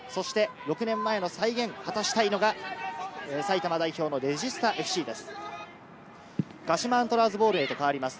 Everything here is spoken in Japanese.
６年前の再現を果たしたいのが埼玉県のレジスタＦＣです。